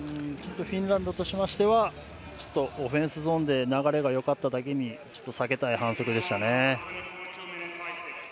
フィンランドとしてはオフェンスゾーンで流れがよかっただけに下げたい反則でしたね。